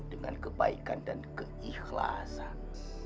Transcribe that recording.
dengan kebaikan dan keikhlasan